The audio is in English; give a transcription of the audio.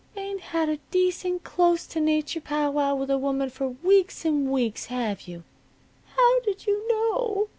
"Ain't had a decent, close to nature powwow with a woman for weeks and weeks, have you?" "How did you know?"